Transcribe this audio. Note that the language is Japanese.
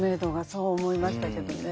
そう思いましたけどね。